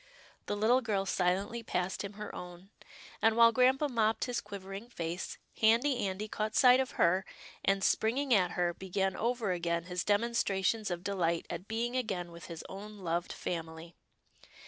" The little girl silently passed him her own, and while grampa mopped his quivering face, Handy Andy caught sight of her, and, springing at her, began over again his demonstrations of delight at being again with his own loved family.